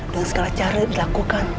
dengan segala cara dilakukan